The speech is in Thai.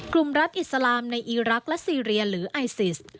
กลุ่มรัฐอิสลามในอีรักษ์และซีเรียหรือไอซิส